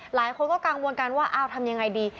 หลายคนก็กังวลกันว่าทำอย่างไรดี